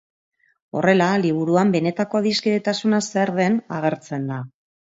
Horrela, liburuan benetako adiskidetasuna zer den agertzen da.